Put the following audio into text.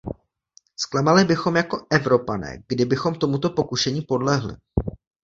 Zklamali bychom jako Evropané, kdybychom tomuto pokušení podlehli.